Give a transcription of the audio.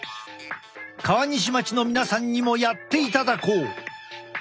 川西町の皆さんにもやっていただこう。